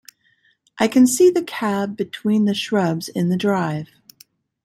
I can see the cab between the shrubs in the drive.